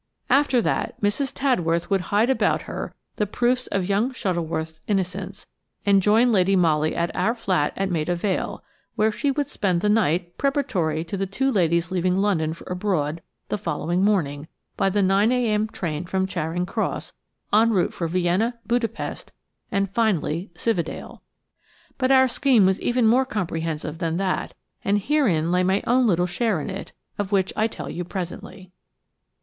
After that Mrs. Tadworth would hide about her the proofs of young Shuttleworth's innocence and join Lady Molly at our flat in Maida Vale, where she would spend the night preparatory to the two ladies leaving London for abroad, the following morning, by the 9.0 a.m. train from Charing Cross en route for Vienna, Budapest, and finally Cividale. But our scheme was even more comprehensive than that and herein lay my own little share in it, of which I tell you presently.